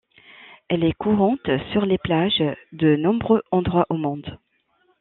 Elle est courante sur les plages de nombreux endroits au monde.